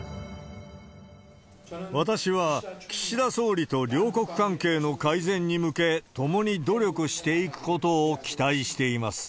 私は、岸田総理と両国関係の改善に向け、共に努力していくことを期待しています。